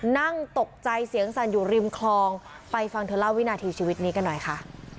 นั่งตกใจเสียงสั่นอยู่ริมคลองไปฟังเธอเล่าวินาทีชีวิตนี้กันหน่อยค่ะ